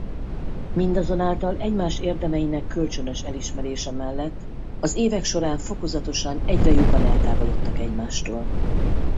Mindazonáltal egymás érdemeinek kölcsönös elismerése mellett az évek során fokozatosan egyre jobban eltávolodtak egymástól.